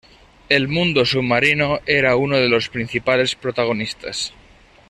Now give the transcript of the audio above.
El mundo submarino era uno de los principales protagonistas.